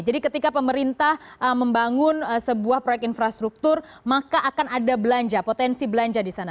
jadi ketika pemerintah membangun sebuah proyek infrastruktur maka akan ada belanja potensi belanja di sana